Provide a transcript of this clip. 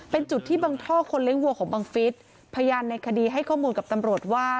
เป็นจุดที่บังท่อคนเลี้ยงวัวของบังฟิศพยานในคดีให้ข้อมูลกับตำรวจว่า